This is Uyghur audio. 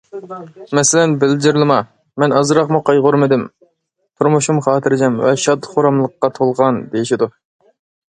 مەسىلەن،‹‹ بىلجىرلىما، مەن ئازراقمۇ قايغۇرمىدىم، تۇرمۇشۇم خاتىرجەم ۋە شاد- خۇراملىققا تولغان›› دېيىشىدۇ.